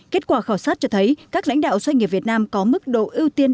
kết quả khảo sát cho thấy các lãnh đạo doanh nghiệp việt nam có mức độ ưu tiên